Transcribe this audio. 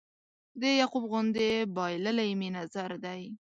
د یعقوب غوندې بایللی مې نظر دی